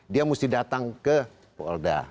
dia mesti datang ke polda